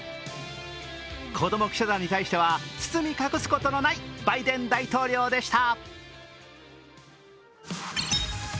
子供記者団に対しては、包み隠すことのないバイデン大統領でした。